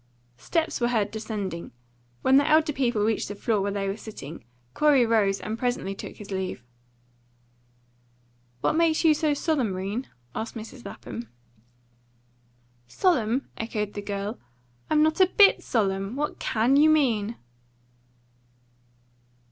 Steps were heard descending. When the elder people reached the floor where they were sitting, Corey rose and presently took his leave. "What makes you so solemn, 'Rene?" asked Mrs. Lapham. "Solemn?" echoed the girl. "I'm not a BIT solemn. What CAN you mean?"